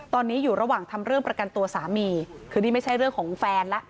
ตอนนี้อยู่ระหว่างทำเรื่องประกันตัวสามีคือนี่ไม่ใช่เรื่องของแฟนแล้ว